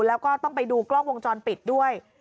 แล้วก็ต้องไปดูกล้องวงจรปิดด้วย